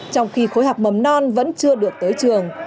trong khi khối học mầm non vẫn chưa được tới trường